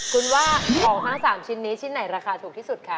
คุณว่าของทั้ง๓ชิ้นนี้ชิ้นไหนราคาถูกที่สุดคะ